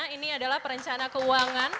ini adalah perencana keuangan